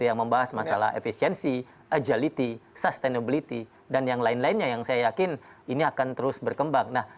yang membahas masalah efisiensi agility sustainability dan yang lain lainnya yang saya yakin ini akan terus berkembang